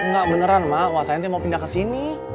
gak beneran ma wasain dia mau pindah kesini